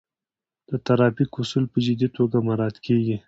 د ترافیک اصول په جدي توګه مراعات کیږي.